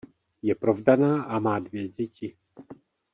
Je provdaná a má dvě děti.